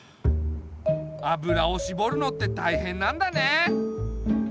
油をしぼるのってたいへんなんだね。